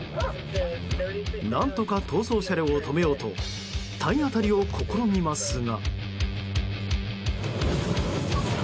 何とか逃走車両を止めようと体当たりを試みますが。